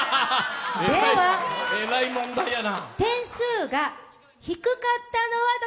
えらい問題やな。